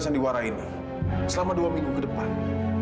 kamu masih bisa meneruskan sandiwara ini